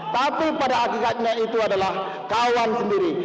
tapi pada akhirnya itu adalah kawan sendiri